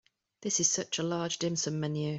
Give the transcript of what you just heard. This is such a large dim sum menu.